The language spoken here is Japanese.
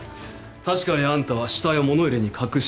確かにあんたは死体を物入れに隠した。